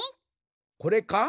これか？